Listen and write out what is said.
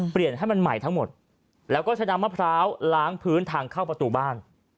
เปลี่ยนให้มันใหม่ทั้งหมดแล้วก็ใช้น้ำมะพร้าวล้างพื้นทางเข้าประตูบ้าน